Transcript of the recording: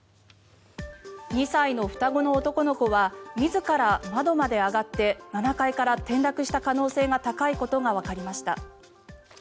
２歳の双子の男の子は自ら窓まで上がって７階から転落した可能性が高いことがわかりました。